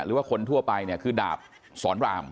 หรือว่าคนทั่วไปเนี่ยคือดาบสอนราม